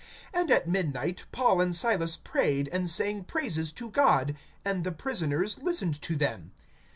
(25)And at midnight Paul and Silas prayed, and sang praises to God; and the prisoners listened to them.